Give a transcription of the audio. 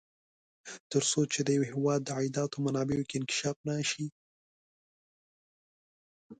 تر څو چې د یوه هېواد د عایداتو منابعو کې انکشاف نه شي.